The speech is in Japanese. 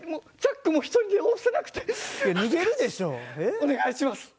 お願いします